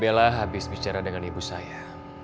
bella habis bicara dengan ibu saya